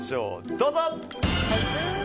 どうぞ。